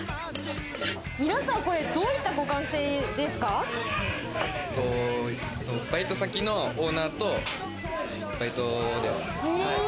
皆さん、どういったご関係でバイト先のオーナーとバイトです。